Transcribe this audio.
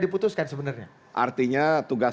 diputuskan sebenarnya artinya tugas